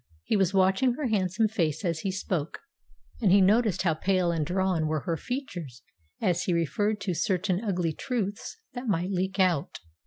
He was watching her handsome face as he spoke, and he noticed how pale and drawn were her features as he referred to certain ugly truths that might leak out.